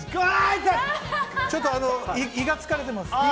ちょっと胃が疲れてます。